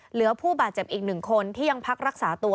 เหลือผู้บาดเจ็บอีก๑คนที่ยังพักรักษาตัว